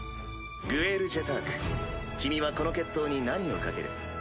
グエル・ジェターク君はこの決闘に何を賭ける？